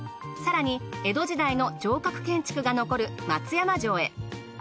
更に江戸時代の城郭建築が残る松山城へ。